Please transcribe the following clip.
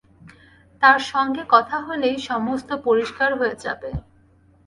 তাঁর সঙ্গে কথা হলেই সমস্ত পরিষ্কার হয়ে যাবে।